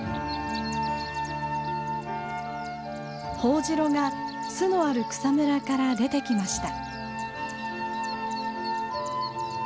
ホオジロが巣のある草むらから出てきました。